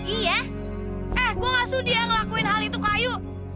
iya eh gue gak sudi ngelakuin hal itu ke ayu